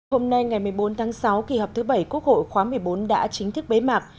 hôm nay ngày một mươi bốn tháng sáu kỳ họp thứ bảy quốc hội khóa một mươi bốn đã chính thức bế mạc